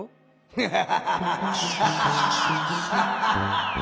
ハハハハ。